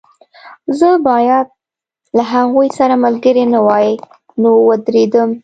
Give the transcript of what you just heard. زه باید له هغوی سره ملګری نه وای نو ودرېدم